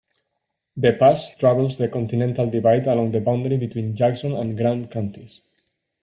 The pass straddles the continental divide along the boundary between Jackson and Grand counties.